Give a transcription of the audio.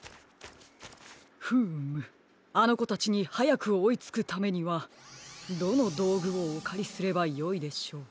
フームあのこたちにはやくおいつくためにはどのどうぐをおかりすればよいでしょう？